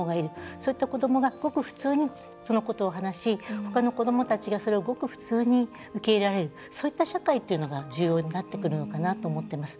そういった子どもがごく普通にそのことを話し他の子どもたちがそれをごく普通に受け入れられるそういった社会が重要になってくるのかなと思っています。